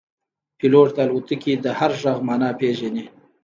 پیلوټ د الوتکې د هر غږ معنا پېژني.